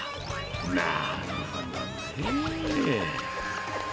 なるほどね。